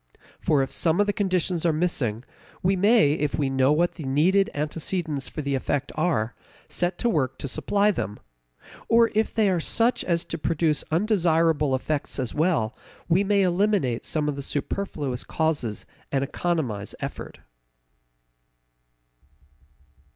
For if some of the conditions are missing, we may, if we know what the needed antecedents for an effect are, set to work to supply them; or, if they are such as to produce undesirable effects as well, we may eliminate some of the superfluous causes and economize effort.